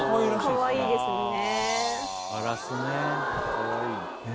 かわいいですね。